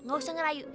gak usah ngerayu